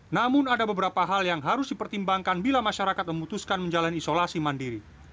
namun ada beberapa hal yang harus dipertimbangkan bila masyarakat memutuskan menjalani isolasi mandiri